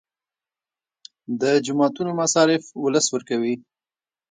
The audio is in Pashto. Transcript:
د جوماتونو مصارف ولس ورکوي